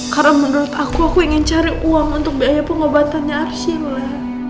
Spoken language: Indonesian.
karena menurut aku aku ingin cari uang untuk biaya pengobatannya arsila